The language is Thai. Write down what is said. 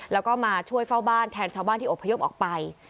แล้วก็มาช่วยเฝ้าบ้านแทนชาวบ้านที่อบพยพออกไป